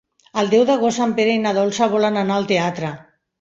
El deu d'agost en Pere i na Dolça volen anar al teatre.